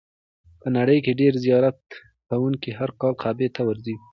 په نړۍ کې ډېر زیارت کوونکي هر کال کعبې ته ورځي.